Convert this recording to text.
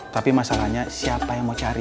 tapi masalahnya siapa yang mau cari